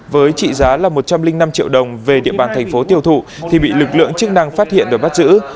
với trị giá là một trăm linh năm triệu đồng về địa bàn thành phố tiêu thụ thì bị lực lượng chức năng phát hiện và bắt giữ